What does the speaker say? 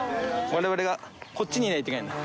我々がこっちにいないといけないんだ。